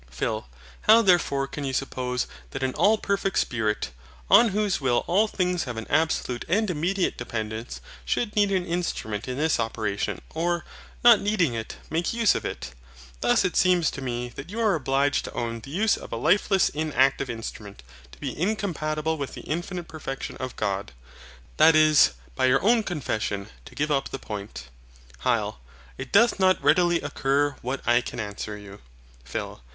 PHIL. How therefore can you suppose that an All perfect Spirit, on whose Will all things have an absolute and immediate dependence, should need an instrument in his operations, or, not needing it, make use of it? Thus it seems to me that you are obliged to own the use of a lifeless inactive instrument to be incompatible with the infinite perfection of God; that is, by your own confession, to give up the point. HYL. It doth not readily occur what I can answer you. PHIL.